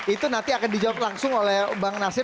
itu nanti akan dijawab langsung oleh bang nasir